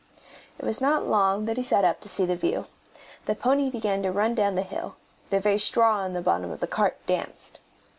It was not long that he sat up to see the view. The pony began to run down the hill; the very straw in the bottom of the cart danced.